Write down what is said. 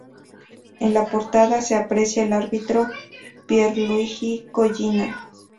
En la portada se aprecia al árbitro Pierluigi Collina.